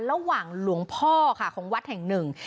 หลวงพ่อค่ะของวัดแห่งหนึ่ง